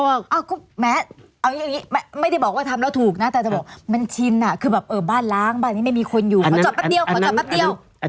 เหรอครับเพราะว่า